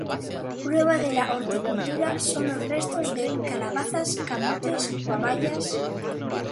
Prueba de la horticultura son los restos de calabazas, camotes, guayabas.